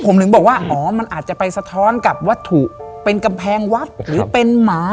ผมถึงบอกว่าอ๋อมันอาจจะไปสะท้อนกับวัตถุเป็นกำแพงวัดหรือเป็นหมา